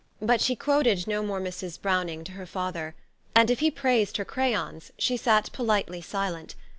But she quoted no more Mrs. Browning to her father ; and, if he praised her crayons, she sat politely silent.